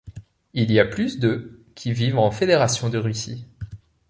Il y a plus de qui vivent en fédération de Russie.